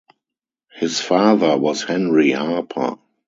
His father was Henry Harper.